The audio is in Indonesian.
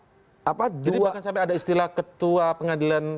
jadi bahkan sampai ada istilah ketua pengadilan